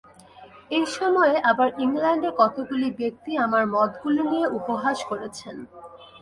এই সময়ে আবার ইংলণ্ডে কতকগুলি ব্যক্তি আমার মতগুলি নিয়ে উপহাস করেছেন।